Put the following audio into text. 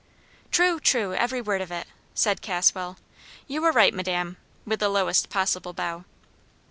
"'True, true! every word of it!' said Caswell. 'You are right, madam,' with the lowest possible bow.